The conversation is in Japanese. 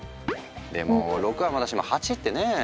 でも６はまだしも８ってねえ？